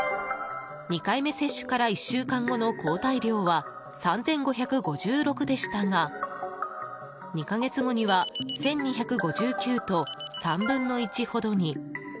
２回目接種から１週間後の抗体量は３５５６でしたが２か月後には１２５９と３分の１ほどに。